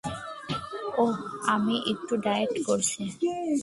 ওহ, আমি একটু ডায়েট করছি।